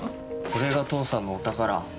これが父さんのお宝。